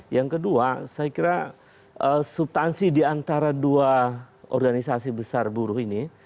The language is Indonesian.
yang kedua saya kira subtansi diantara dua organisasi besar buruh ini